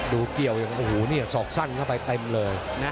ดูเกี่ยวอย่างโอ้โหสอกสั้นเข้าไปเต็มเลย